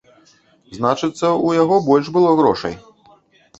Значыцца, у яго больш было грошай.